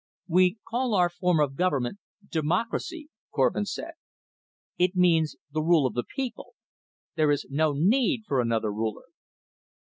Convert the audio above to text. "We call our form of government democracy," Korvin said. "It means the rule of the people. There is no need for another ruler."